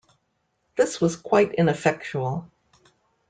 This was quite ineffectual.